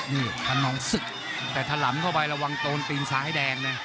นี่คนนองศึกแต่ถลำเข้าไประวังโตนตีนซ้ายแดงนะ